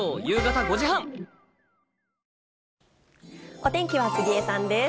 お天気は杉江さんです。